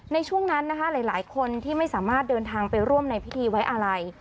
ในช่วงนั้นนะคะหลายคนที่ไม่สามารถเดินทางไปร่วมในพิธีไว้อะไร